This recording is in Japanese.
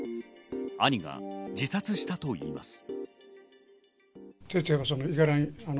兄が自殺したといいます。